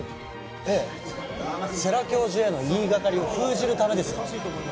ええ世良教授への言いがかりを封じるためです